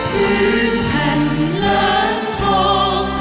พื้นแผ่นแหลมทอง